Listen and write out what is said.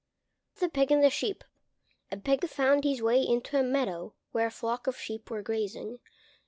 THE PIG AND THE SHEEP A Pig found his way into a meadow where a flock of Sheep were grazing.